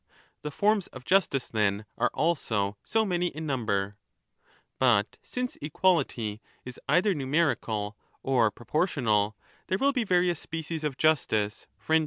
The forms of justice then are also so many in number. But since equality is either numerical or proportional, there will be various species of justice, friendship, and 11 1242^ I = E.